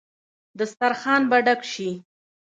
دسترخان به ډک شي.